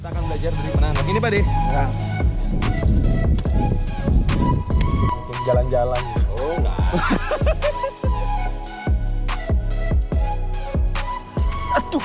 kita akan belajar dari mana